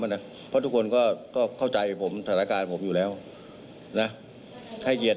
นะเพราะทุกคนก็เข้าใจผมสถานการณ์ผมอยู่แล้วนะให้เกียรติ